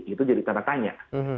itu jadi tanpa tanya